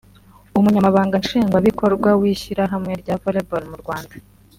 Umunyamabanga Nshingwabikorwa w’Ishyirahamwe rya Volleyball mu Rwanda